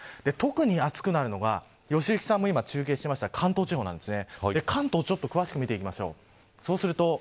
特に暑くなるのが良幸さんも今、中継していました関東地方なんです。